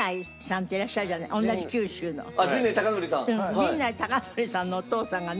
陣内孝則さんのお父さんがね